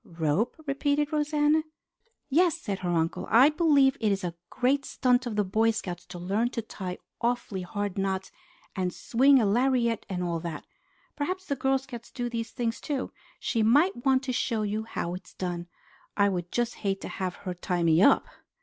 "Rope?" repeated Rosanna. "Yes," said her uncle. "I believe it is a great stunt of the Boy Scouts to learn to tie awfully hard knots and swing a lariat and all that. Perhaps the Girl Scouts do these things too. She might want to show you how it is done. I would just hate to have her tie me up!"